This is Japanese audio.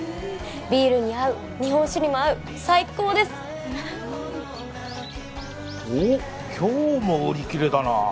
ビールに合う日本酒にも合う最高ですおっ今日も売り切れだな